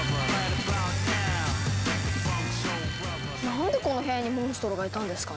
なんでこの部屋にモンストロがいたんですかね？